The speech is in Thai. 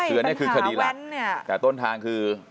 ใช่ปัญหาแว้นแต่ต้นทางคือ